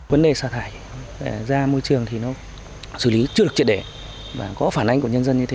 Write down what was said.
vấn đề xả thải ra môi trường thì nó xử lý chưa được triệt để và có phản ánh của nhân dân như thế